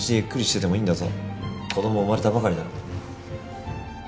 子供生まれたばかりだろ？